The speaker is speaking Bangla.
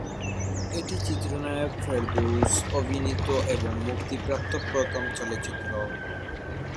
এটি চিত্রনায়ক ফেরদৌস অভিনীত এবং মুক্তিপ্রাপ্ত প্রথম চলচ্চিত্র।